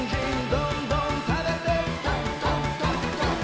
「どんどんどんどん」